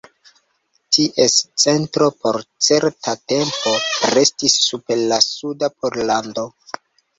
Ties centro por certa tempo restis super la suda Pollando.